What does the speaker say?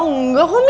oh enggak kok mi